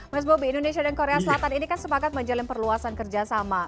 mas bobi indonesia dan korea selatan ini kan sepakat menjalin perluasan kerjasama